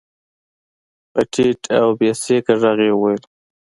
په ټيټ او بې سېکه غږ يې وويل.